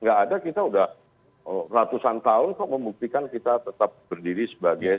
nggak ada kita udah ratusan tahun kok membuktikan kita tetap berdiri sebagai